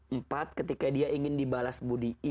empat ketika dia ingin dibalas budi'i